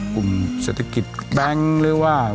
กลุ่มเศรษฐกิจแบงค์หรือว่า